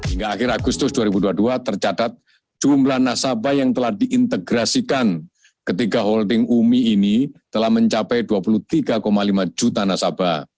hingga akhir agustus dua ribu dua puluh dua tercatat jumlah nasabah yang telah diintegrasikan ketika holding umi ini telah mencapai dua puluh tiga lima juta nasabah